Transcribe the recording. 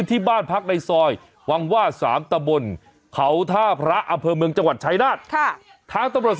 ที่บ้านพักในซอยวังว่า๓ตะบนเขาท่าพระอำเภอเมืองจังหวัดชายนาฏ